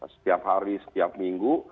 setiap hari setiap minggu